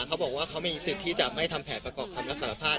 เขาบอกว่าเขามีสิทธิ์ที่จะไม่ทำแผนประกอบคำรับสารภาพ